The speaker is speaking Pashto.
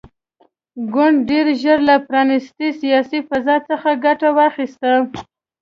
ګوند ډېر ژر له پرانیستې سیاسي فضا څخه ګټه واخیسته.